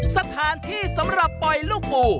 สถานที่สำหรับปล่อยลูกปู